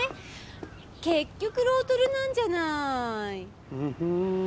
結局ロートルなんじゃない。